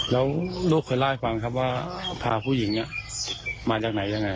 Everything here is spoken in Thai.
แล้วลูกฝึกฟังนะครับว่าพาผู้หญิงเนี่ยมาจากไหนด้วยไง